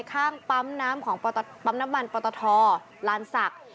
ข้างปั๊มน้ำมันปตทลานศักดิ์